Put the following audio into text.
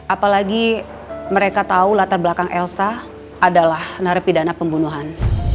apalagi mereka tahu latar belakang elsa adalah narapidana pembunuhan